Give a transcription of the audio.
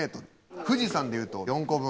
富士山で言うと４個分。